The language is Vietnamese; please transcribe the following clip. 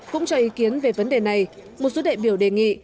cũng cho ý kiến về vấn đề này một số đại biểu đề nghị